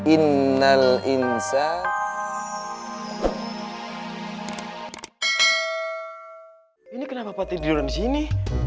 ini kenapa pati tidur disini